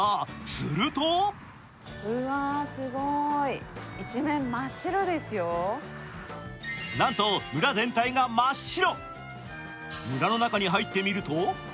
するとなんと村全体が真っ白。